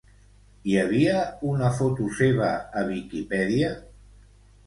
Hi havia una foto seva a Viquipèdia?